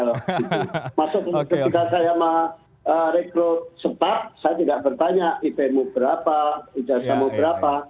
maksudnya ketika saya merekrut sepak saya tidak bertanya ip mu berapa ijazahmu berapa